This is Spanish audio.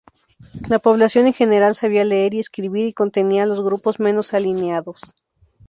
La población en general sabía leer y escribir, y contenía los grupos menos alienados.